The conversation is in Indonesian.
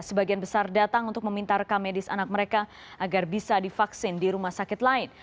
sebagian besar datang untuk meminta rekam medis anak mereka agar bisa divaksin di rumah sakit lain